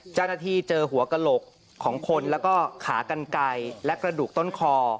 เจ้าหน้าที่เจอหัวกระโหลกของคนแล้วก็ขากันไกลและกระดูกต้นคอ